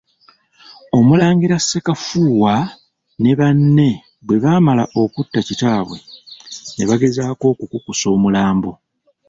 Abalangira Ssekafuuwa ne banne bwe baamala okutta kitaabwe, ne bagezaako okukukusa omulambo.